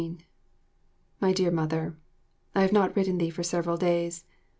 14 My Dear Mother, I have not written thee for several days.